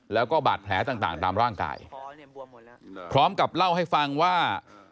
แล้วก็บาดแผลต่างตามร่างกายพร้อมกับเล่าให้ฟังว่า